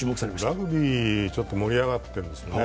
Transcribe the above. ラグビー、ちょっと盛り上がってるんですよね。